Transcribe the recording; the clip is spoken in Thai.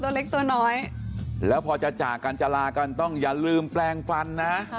ตัวเล็กตัวน้อยแล้วพอจะจากกันจะลากันต้องอย่าลืมแปลงฟันนะ